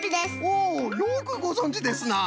おおよくごぞんじですな！